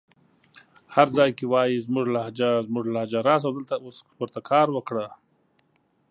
هر ځای کې وايې زموږ لهجه زموږ لهجه راسه دلته اوس ورته کار وکړه